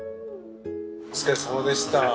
お疲れさまでした。